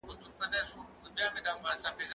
زه اجازه لرم چي ليکنه وکړم،